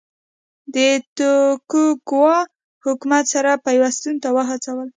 د توکوګاوا حکومت سره پیوستون ته وهڅول.